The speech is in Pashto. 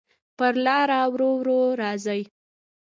پر لاره ورو، ورو راځې